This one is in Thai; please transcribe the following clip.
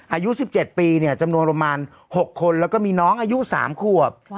อายุ๑๗ปีจำนวนประมาณ๖คนแล้วก็มีน้องอายุ๓ขวบ